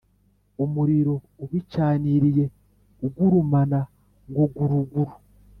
Umuriro ubicaniriye ugurumana ngo guruguru